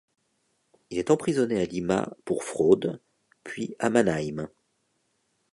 Il est emprisonné à Lima pour fraude puis à Mannheim.